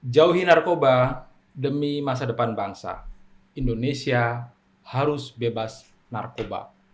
jauhi narkoba demi masa depan bangsa indonesia harus bebas narkoba